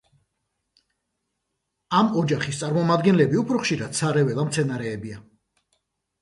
ამ ოჯახის წარმომადგენლები უფრო ხშირად სარეველა მცენარეებია.